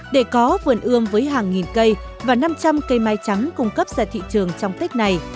để có vườn ươm với hàng nghìn cây và năm trăm linh cây mai trắng cung cấp ra thị trường trong tích này